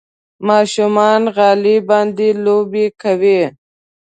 ماشومان غالۍ باندې لوبې کوي.